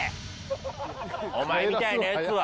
お前みたいなやつは。